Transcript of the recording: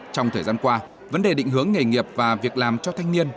trong thời gian qua vấn đề định hướng nghề nghiệp và việc làm cho thanh niên